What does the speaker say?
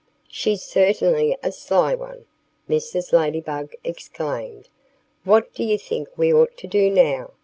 "She's certainly a sly one!" Mrs. Ladybug exclaimed. "What do you think we ought to do now?"